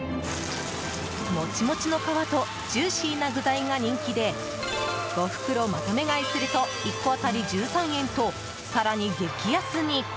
モチモチの皮とジューシーな具材が人気で５袋まとめ買いすると１個当たり１３円と更に激安に。